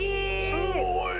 すごい！